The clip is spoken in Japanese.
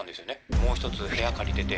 もう１つ部屋借りてて。